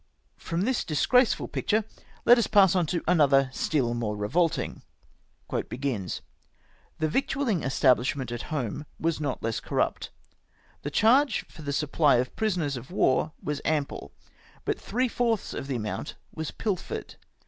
From this disgraceful picture let us pass on to another still more revolting :—" The victualling establishment at home was not less cor rupt. The charge for the supply of prisoners of war was ample, but three fourths of the amount was pilfered.